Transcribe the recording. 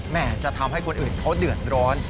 จะทำให้คนอื่นเขาเดือดร้อน